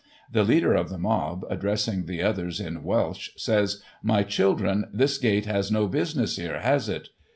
The leader of the mob, addressing the others in Welsh, says, * My children this gate has no business here, has it